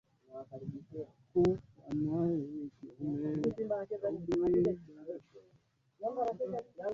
Fungu la pili ni la wanavijiji ambalo nalo ni asilimia hamsini